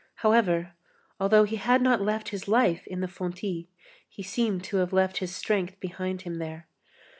However, although he had not left his life in the fontis, he seemed to have left his strength behind him there.